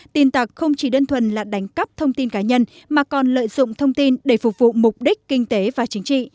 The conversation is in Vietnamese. tin tặc không chỉ đơn thuần là đánh cắp thông tin cá nhân mà còn lợi dụng thông tin để phục vụ mục đích kinh tế và chính trị